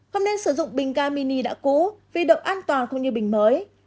không nên sử dụng bình ga mini đã cũ vì động an toàn không như bình mới